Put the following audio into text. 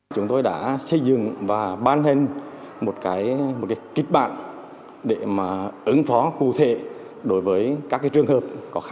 chúng tôi đã xây dựng và ban hành một kịch bản để ứng phó cụ thể đối với các trường hợp